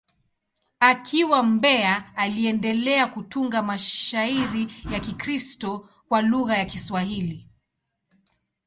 Akiwa Mbeya, aliendelea kutunga mashairi ya Kikristo kwa lugha ya Kiswahili.